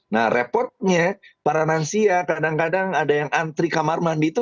nah repotnya para lansia kadang kadang ada yang antri kamar mandi itu